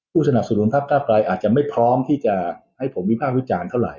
สนับสนุนพักเก้าไกลอาจจะไม่พร้อมที่จะให้ผมวิภาควิจารณ์เท่าไห